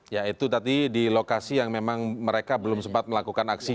ya itu tadi di lokasi yang memang mereka belum sempat melakukan aksi